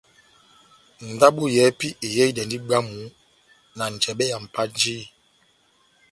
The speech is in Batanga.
Ndabo yɛ́hɛ́pi eyehidɛndi bwámu na njɛbɛ ya Mpanjiyi.